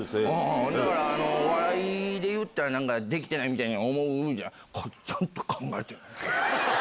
だから笑いで言ったら、なんか、できてないみたいに思うじゃん、これはちゃんと考えてる。